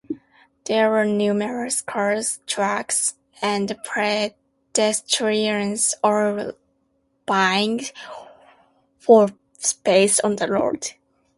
There are numerous cars, trucks, and pedestrians all vying for space on the road.